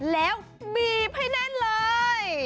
แล้วบีบให้แน่นเลย